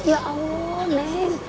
ya allah neng